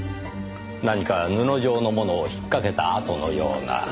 何か布状のものを引っかけた跡のような。